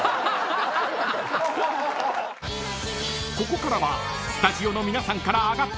［ここからはスタジオの皆さんから上がった］